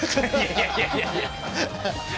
いやいやいやいや。